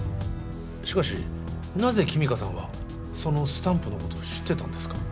しかしなぜ君香さんはそのスタンプのことを知ってたんですか？